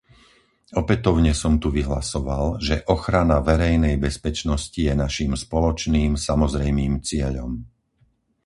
Opätovne som tu vyhlasoval, že ochrana verejnej bezpečnosti je naším spoločným, samozrejmým cieľom.